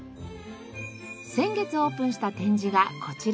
先月オープンした展示がこちら。